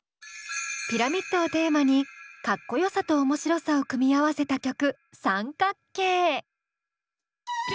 ピラミッドをテーマにかっこよさと面白さを組み合わせた曲「△」。